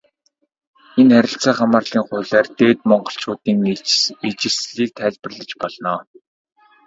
Энэ харилцаа хамаарлын хуулиар Дээд Монголчуудын ижилслийг тайлбарлаж болно.